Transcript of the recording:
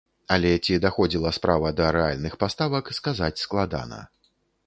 Але ці даходзіла справа да рэальных паставак сказаць складана.